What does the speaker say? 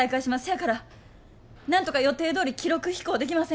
そやからなんとか予定どおり記録飛行できませんか。